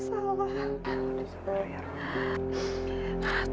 umi sama abalu